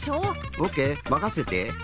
オッケーまかせて！